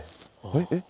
えっ？